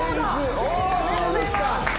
おおそうですか。